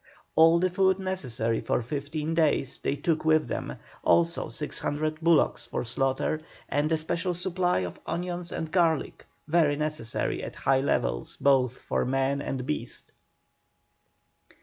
All the food necessary for fifteen days they took with them, also 600 bullocks for slaughter, and a special supply of onions and garlic, very necessary at high levels both for man and beast.